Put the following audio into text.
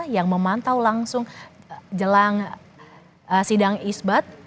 yang memantau langsung jelang sidang isbat